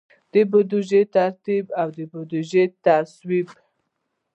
د بودیجې ترتیب او د بودیجې تصویب.